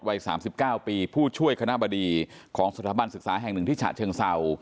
วัย๓๙ปีผู้ช่วยคณะบดีของสถาบันศึกษาแห่งหนึ่งที่ฉะเชิงเศร้า